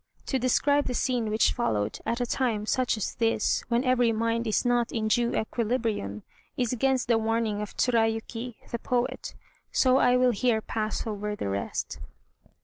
To describe the scene which followed at a time such as this, when every mind is not in due equilibrium, is against the warning of Tsurayuki, the poet, so I will here pass over the rest.